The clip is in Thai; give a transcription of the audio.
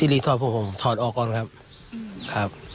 ที่รีสอร์ทผมถอดออกก่อนครับ